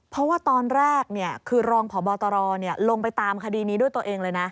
เพราะว่าตอนแรกคือรองพบตรลงไปตามคดีนี้ด้วยตัวเองเลยนะ